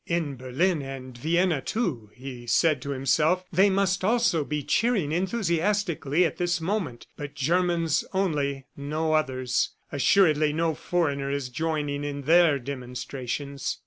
"In Berlin and Vienna, too," he said to himself, "they must also be cheering enthusiastically at this moment ... but Germans only, no others. Assuredly no foreigner is joining in their demonstrations."